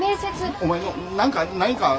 お前の何かないんか。